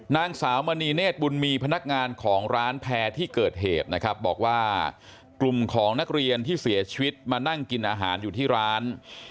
นางสาวมณีเนธบุญมีพนักงานของร้านแพร่ที่เกิดเหตุนะครับบอกว่ากลุ่มของนักเรียนที่เสียชีวิตมานั่งกินอาหารอยู่ที่ร้าน